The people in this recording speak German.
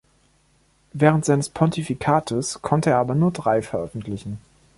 Während seines Pontifikates konnte er aber nur drei veröffentlichen.